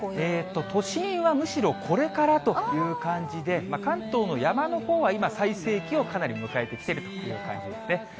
都心はむしろ、これからという感じで、関東も山のほうは今、最盛期をかなり迎えてきてるという感じですね。